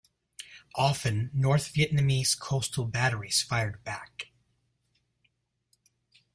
Often, North Vietnamese coastal batteries fired back.